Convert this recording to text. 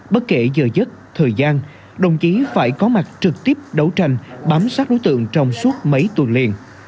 bất kể giờ giấc thời gian đồng chí phải có mặt trực tiếp đấu tranh bám sát đối tượng trong suốt mấy tuần liền